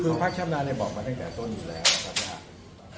คือภาคท่ามาน่ะบอกมาตั้งแต่ต้นอย่างนี้เลยครับแทรก